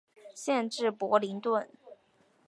县治伯灵顿。